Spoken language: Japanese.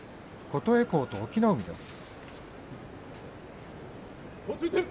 琴恵光と隠岐の海です。